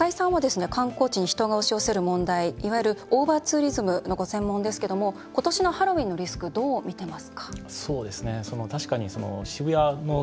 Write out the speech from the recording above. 中井さんは観光地に人が集まる問題いわゆるオーバーツーリズムのご専門ですけれども今年のハロウィーンのリスクどう見ていますか？